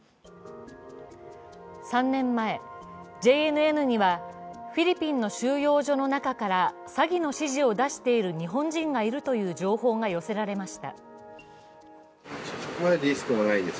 ３年前、ＪＮＮにはフィリピンの収容所の中から詐欺の指示を出している日本人がいるという情報が寄せられました。